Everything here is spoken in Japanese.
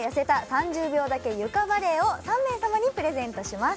３０秒だけ床バレエ」を３名様にプレゼントします